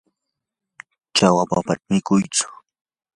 chawa papata mikuytsu.